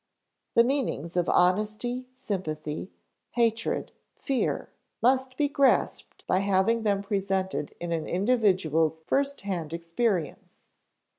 The meanings of honesty, sympathy, hatred, fear, must be grasped by having them presented in an individual's first hand experience.